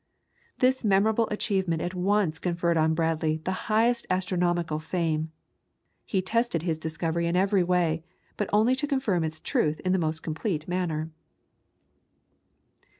This memorable achievement at once conferred on Bradley the highest astronomical fame. He tested his discovery in every way, but only to confirm its truth in the most complete manner.